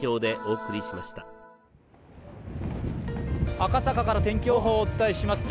赤坂から天気予報をお伝えします。